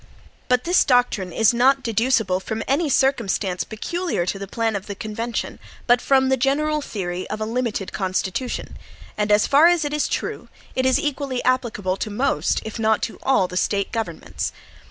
But this doctrine is not deducible from any circumstance peculiar to the plan of the convention, but from the general theory of a limited Constitution; and as far as it is true, is equally applicable to most, if not to all the State governments.